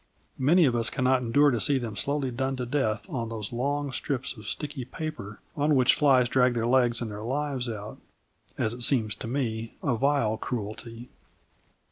Many of us cannot endure to see them slowly done to death on those long strips of sticky paper on which the flies drag their legs and their lives out as it seems to me, a vile cruelty.